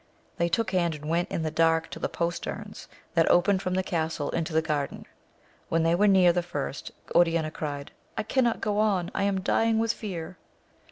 They took hand, and went in the dark to the posterns that opened from the castle into the garden. When they were near the first, Oriana cried, I cannot go on, I am dying with fear